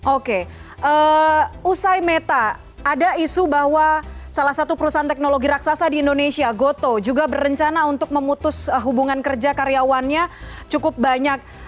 oke usai meta ada isu bahwa salah satu perusahaan teknologi raksasa di indonesia gotoh juga berencana untuk memutus hubungan kerja karyawannya cukup banyak